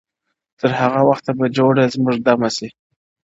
• تر هغه وخته به جوړه زموږ دمه سي -